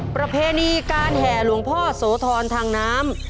ประเพณีการแห่หลวงพ่อโสธรทางน้ำ